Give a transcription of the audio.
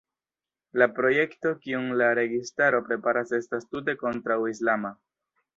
La projekto kiun la registaro preparas estas tute kontraŭislama.